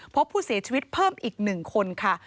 พบผู้เสียชีวิตเพิ่มอีก๑คนค่ะ